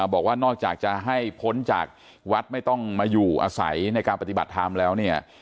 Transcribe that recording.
บอกว่านอกจากจะให้พ้นจากวัดไม่ต้องมาอยู่อาศัยในการปฏิบัติธรรมแล้วเนี่ย